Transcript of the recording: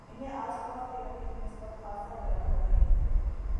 انہیں آس پاس کے علاقے کی نسبت خاصا گرم کردیتی ہے